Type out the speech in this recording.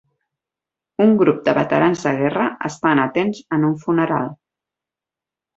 Un grup de veterans de guerra estan atents en un funeral.